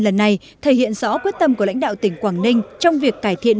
lần này thể hiện rõ quyết tâm của lãnh đạo tỉnh quảng ninh trong việc cải thiện